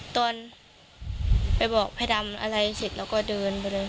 ตอนไปบอกพระดำอะไรเสร็จเราก็เดินไปเลย